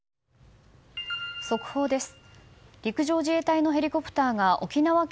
速報です。